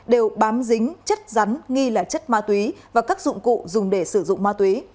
đều bám dính chất rắn nghi là chất ma túy và các dụng cụ dùng để sử dụng ma túy